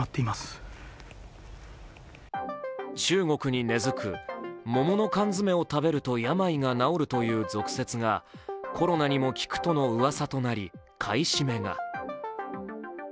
中国に根付く桃の缶詰を食べると病が治るという俗説がコロナにも効くとのうわさとなり買い占めが。